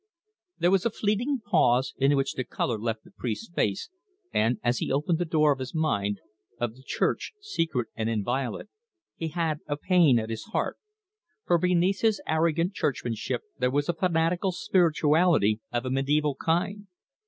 There was a fleeting pause, in which the colour left the priest's face, and, as he opened the door of his mind of the Church, secret and inviolate he had a pain at his heart; for beneath his arrogant churchmanship there was a fanatical spirituality of a mediaeval kind.